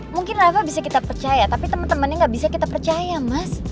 mungkin reva bisa kita percaya tapi temen temennya gak bisa kita percaya mas